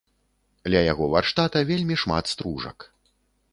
Ля яго варштата вельмі шмат стружак.